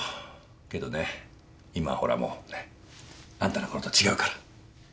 けどね今はほらもうねっあんたの頃と違うから。